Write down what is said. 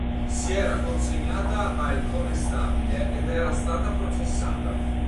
Si era consegnata al conestabile ed era stata processata.